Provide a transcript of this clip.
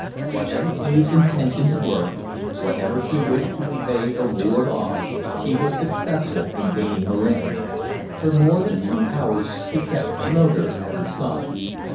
Whatever Eve's intentions were, whatever she wished to evade or ward off, she was successful in gaining her end. For more than two hours she kept Loder at her side.